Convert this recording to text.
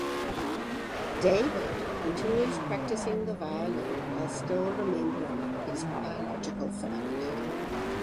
David continues practicing the violin while still remembering his biological family.